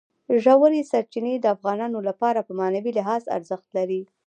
ژورې سرچینې د افغانانو لپاره په معنوي لحاظ ارزښت لري.